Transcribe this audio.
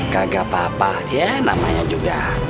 kagak apa apa ya namanya juga